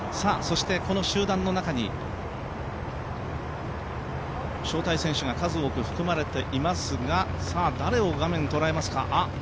そして、この集団の中に招待選手が数多く含まれていますが誰を画面、捉えますか。